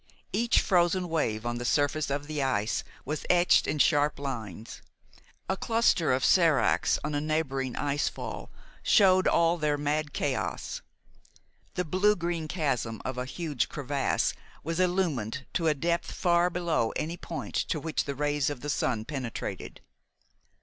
Each frozen wave on the surface of the ice was etched in sharp lines. A cluster of séracs on a neighboring icefall showed all their mad chaos. The blue green chasm of a huge crevasse was illumined to a depth far below any point to which the rays of the sun penetrated.